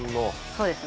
そうですね。